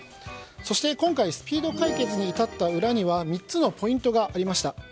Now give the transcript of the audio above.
そして今回スピード解決に至った裏には３つのポイントがありました。